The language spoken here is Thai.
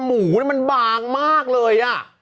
หมูนี่มันบางมากเลยอ่ะ